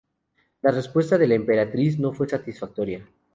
La respuesta de la emperatriz no fue satisfactoria.